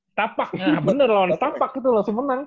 setapak bener loh setapak gitu langsung menang